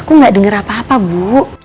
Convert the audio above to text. aku gak denger apa apa bu